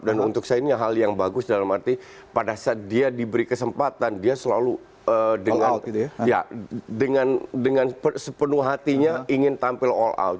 dan untuk saya ini hal yang bagus dalam arti pada saat dia diberi kesempatan dia selalu dengan sepenuh hatinya ingin tampil on line up